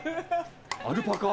アルパカ。